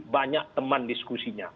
banyak teman diskusinya